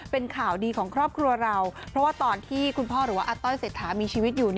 เป็นข่าวดีของครอบครัวเราเพราะว่าตอนที่คุณพ่อหรือว่าอาต้อยเศรษฐามีชีวิตอยู่